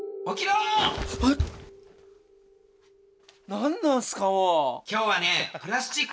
何なんすか？